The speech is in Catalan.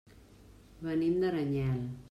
Venim d'Aranyel.